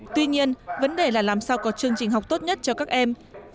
tuy nhiên vấn đề là làm sao có chương trình học tốt nhất cho các em